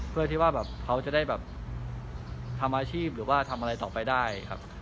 เพื่อที่ว่าแบบเขาจะได้แบบทำอาชีพหรือว่าทำอะไรต่อไปได้ครับ